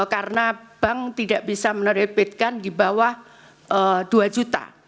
karena bank tidak bisa menerbitkan di bawah dua juta